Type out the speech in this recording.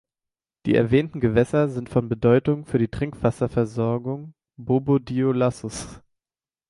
Die erwähnten Gewässer sind von Bedeutung für die Trinkwasserversorgung Bobo-Dioulassos.